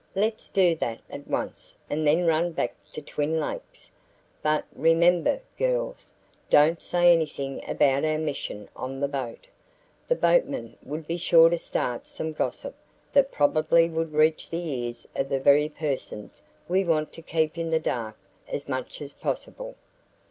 "Let's do that at once and then run back to Twin Lakes. But remember, girls, don't say anything about our mission on the boat. The boatman would be sure to start some gossip that probably would reach the ears of the very persons we want to keep in the dark as much as possible."